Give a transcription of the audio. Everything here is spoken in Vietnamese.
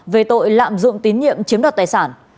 về tội lạm dụng tín nhiệm chiếm đoạt tài sản